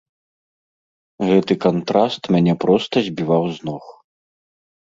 Гэты кантраст мяне проста збіваў з ног.